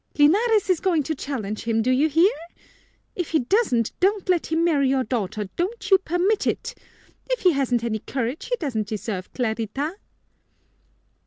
"Linares is going to challenge him, do you hear? If he doesn't, don't let him marry your daughter, don't you permit it! If he hasn't any courage, he doesn't deserve Clarita!"